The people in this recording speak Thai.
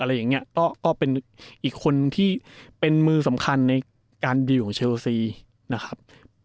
อะไรอย่างเงี้ยก็เป็นอีกคนที่เป็นมือสำคัญในการดีลของเชลซีนะครับ